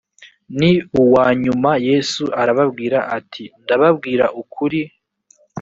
ni uwa nyuma yesu arababwira ati ndababwira ukuri